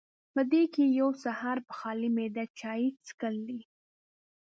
پۀ دې کښې يو سحر پۀ خالي معده چائے څښل دي